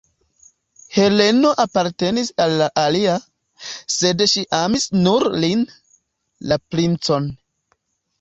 Heleno apartenis al la alia, sed ŝi amis nur lin, la princon.